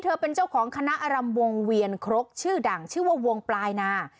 เป็นเจ้าของคณะอารำวงเวียนครกชื่อดังชื่อว่าวงปลายนา